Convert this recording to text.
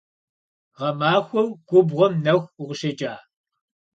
Гъэмахуэу губгъуэм нэху укъыщекӀа?